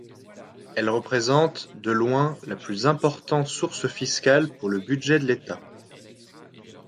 Elle représente, de loin, la plus importante source fiscale pour le budget de l'État.